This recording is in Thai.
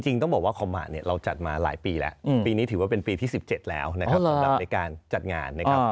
ต้องบอกว่าคอมหะเนี่ยเราจัดมาหลายปีแล้วปีนี้ถือว่าเป็นปีที่๑๗แล้วนะครับสำหรับในการจัดงานนะครับ